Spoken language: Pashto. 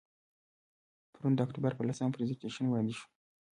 پرون د اکتوبر په لسمه، پرزنټیشن وړاندې شو.